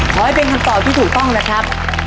ขอให้เป็นคำตอบที่ถูกต้องนะครับ